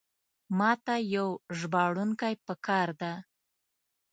ماته یو ژباړونکی پکار ده.